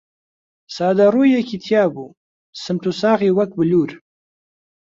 سادە ڕووویەکی تیا بوو، سمت و ساقی وەک بلوور